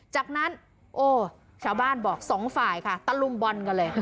จากนั้นโอ้ชาวบ้านบอกสองฝ่ายค่ะตะลุมบอลกันเลย